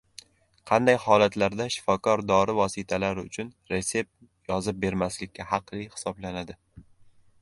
Qanday holatlarda shifokor dori vositalari uchun resept yozib bermaslikka haqli hisoblanadi?